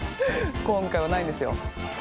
今回はないんですよ。